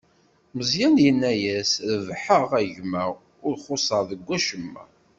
Meẓyan yenna-as: Rebḥeɣ, a gma, ur xuṣṣeɣ deg wacemma.